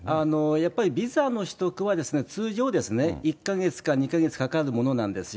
やっぱりビザの取得は、通常、１か月か２か月かかるものなんですよ。